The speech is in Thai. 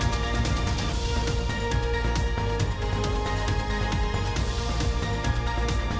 สวัสดีค่ะ